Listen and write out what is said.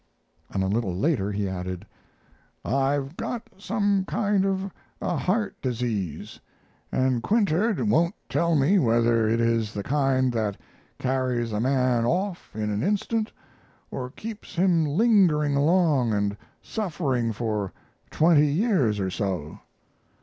And a little later he added: "I've got some kind of a heart disease, and Quintard won't tell me whether it is the kind that carries a man off in an instant or keeps him lingering along and suffering for twenty years or so.